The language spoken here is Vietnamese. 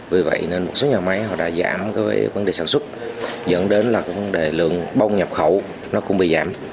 vì vậy nên một số nhà máy họ đã giảm cái vấn đề sản xuất dẫn đến là vấn đề lượng bông nhập khẩu nó cũng bị giảm